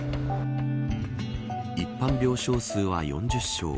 一般病床数は４０床。